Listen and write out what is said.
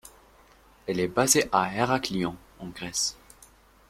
Elle est basée à Heraklion, en Grèce.